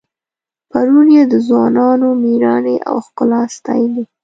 پرون یې د ځوانانو میړانې او ښکلا ستایلې.